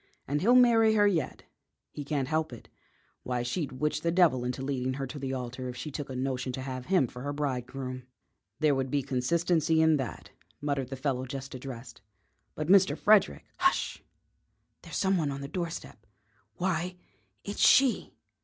And he'll marry her yet; he can't help it. Why, she'd witch the devil into leading her to the altar if she took a notion to have him for her bridegroom." "There would be consistency in that," muttered the fellow just addressed. "But Mr. Frederick " "Hush! There's some one on the doorstep. Why, it's she!"